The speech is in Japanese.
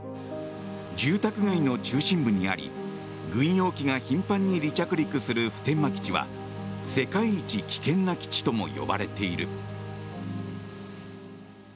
住宅街の中心部にあり軍用機が頻繁に離着陸する普天間基地は世界一危険な基地とも呼ばれている。